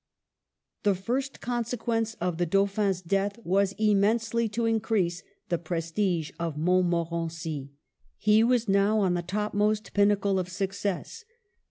The first consequence of the Dauphin's death was immensely to increase the prestige of Mont morency. He was now on the topmost pinnacle of success.